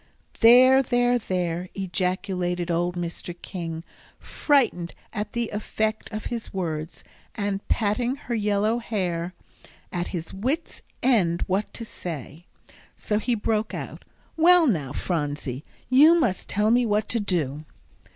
"There, there, there," ejaculated old Mr. King, frightened at the effect of his words and patting her yellow hair, at his wits' end what to say. So he broke out, "Well, now, Phronsie, you must tell me what to do."